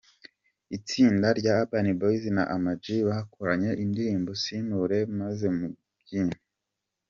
itsinda rya Urban Boyz na Ama-G bakoranye indirimbo Simubure maze mu mbyino.